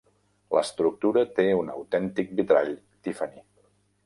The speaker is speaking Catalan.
L'estructura té un autèntic vitrall Tiffany.